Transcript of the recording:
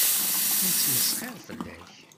Yettmesxiṛ fell-ak.